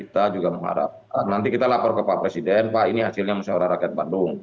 kita juga mengharapkan nanti kita lapor ke pak presiden pak ini hasilnya musyawarah rakyat bandung